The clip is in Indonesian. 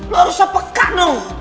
lu harus sepekat dong